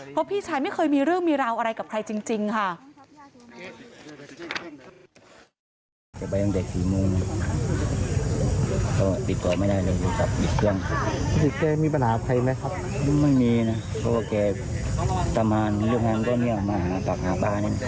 เพราะพี่ชายไม่เคยมีเรื่องมีราวอะไรกับใครจริงค่ะ